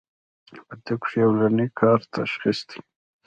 پۀ طب کښې اولنی کار تشخيص دی